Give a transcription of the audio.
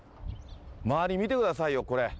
周り見てくださいよ、これ。